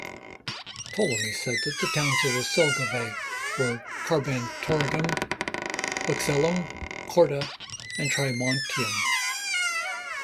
Ptolemy said that the towns of the Selgovae were "Carbantorigum", "Uxellum", "Corda", and "Trimontium".